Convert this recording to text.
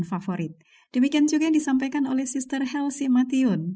marilah siapa yang mau